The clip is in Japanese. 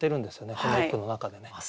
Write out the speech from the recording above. この一句の中でね。